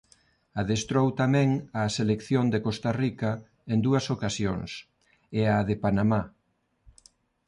Adestrou tamén á selección de Costa Rica en dúas ocasións e á de Panamá.